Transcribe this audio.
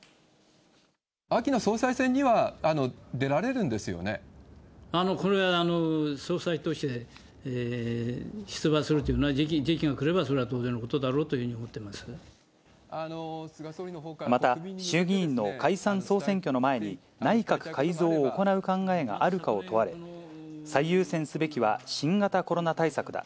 秋の総裁選には、これ、総裁として出馬する、時期がくれば、それは当然のことだろうといまた、衆議院の解散・総選挙の前に、内閣改造を行う考えがあるかを問われ、最優先すべきは新型コロナ対策だ。